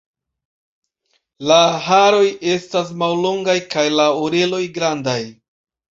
La haroj estas mallongaj kaj la oreloj grandaj.